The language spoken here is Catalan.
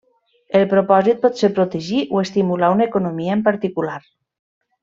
El propòsit pot ser protegir o estimular una economia en particular.